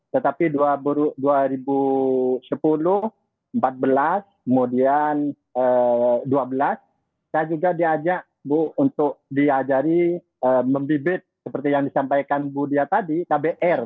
tetapi dua ribu sepuluh dua ribu empat belas kemudian dua ribu dua belas saya juga diajak ibu diah untuk diajari membibit seperti yang disampaikan ibu diah tadi kbr